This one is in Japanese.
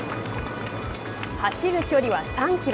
走る距離は、３キロ。